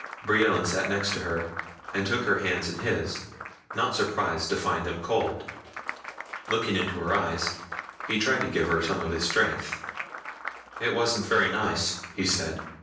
Brion sat next to her and took her hands in his, not surprised to find them cold. Looking into her eyes, he tried to give her some of his strength. "It wasn't very nice," he said.